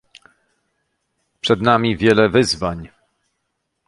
Przed nami wiele wyzwań